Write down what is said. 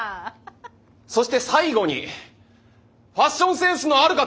そして最後にファッションセンスのある方！